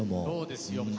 そうですよ。